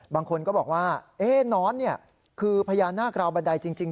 บางคนก็บอกว่าน้อนคือพญานาคราวบันไดจริง